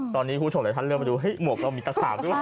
ตอนนี้ผู้โฉนโดยทันเริ่มมาดูหงวกเรามีตัก๓หรือเปล่า